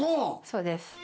そうです。